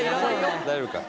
大丈夫か。